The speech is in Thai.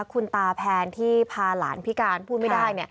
คุณตาแพนที่พาหลานพิการพูดไม่ได้